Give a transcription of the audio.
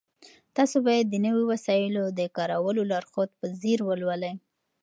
تاسو باید د نويو وسایلو د کارولو لارښود په ځیر ولولئ.